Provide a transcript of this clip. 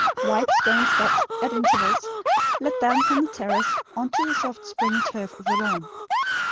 Wide stone steps, at intervals, led down from the terrace on to the soft springy turf of the lawn.